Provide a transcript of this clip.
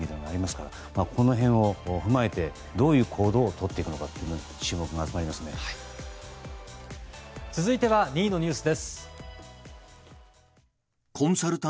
この辺を踏まえてどういう行動をとっていくかが続いては２位のニュース。